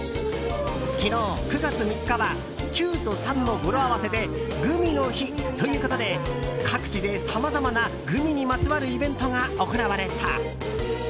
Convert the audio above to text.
昨日９月３日は９と３の語呂合わせでグミの日ということで各地でさまざまなグミにまつわるイベントが行われた。